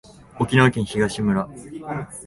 沖縄県東村